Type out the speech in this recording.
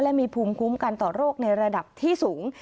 และมีภูมิคุ้มกันต่อโรคในระดับที่สูง